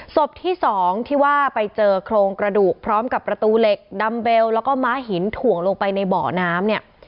ศพที่สองที่ว่าไปเจอโครงกระดูกพร้อมกับประตูเหล็กดำเบลแล้วก็ม้าหินถ่วงลงไปในเบาะน้ำเนี่ย